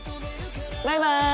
バイバイ！